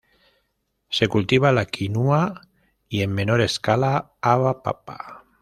Se cultiva la quinua, y en menor escala haba, papa.